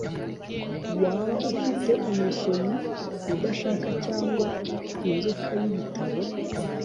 Waba ufite umusomyi udashaka cyangwa inzoka yibitabo